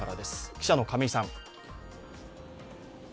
記者の亀井さん。